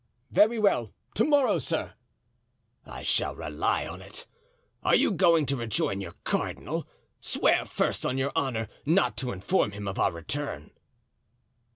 "Very well, to morrow, sir." "I shall rely on it. Are you going to rejoin your cardinal? Swear first, on your honor, not to inform him of our return."